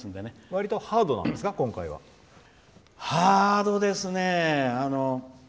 わりとハードなんですか今回は。ハードですね。